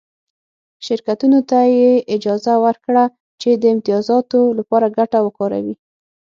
شرکتونو ته یې اجازه ورکړه چې د امتیازاتو لپاره ګټه وکاروي